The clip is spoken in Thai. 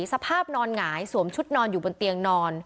สภาพนอนหงายสวมชุดนอนอยู่บนเตียงนอน